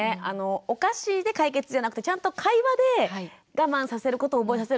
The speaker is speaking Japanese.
お菓子で解決じゃなくてちゃんと会話で我慢させることを覚えさせるっていうのが大事ですね。